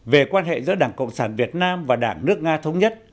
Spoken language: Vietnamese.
về quan hệ giữa đảng cộng sản việt nam và đảng nước nga thống nhất